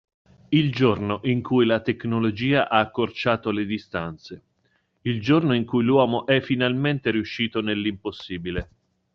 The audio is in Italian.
Il giorno in cui la tecnologia ha accorciato le distanze, il giorno in cui l'uomo è finalmente riuscito nell'impossibile.